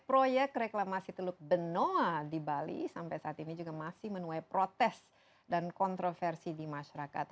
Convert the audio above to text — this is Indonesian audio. proyek reklamasi teluk benoa di bali sampai saat ini juga masih menuai protes dan kontroversi di masyarakat